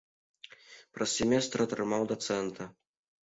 Праз семестр атрымаў дацэнта.